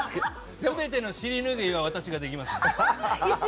全ての尻拭いは私ができます。